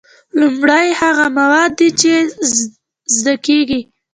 لومړی هغه مواد دي چې زده کیږي.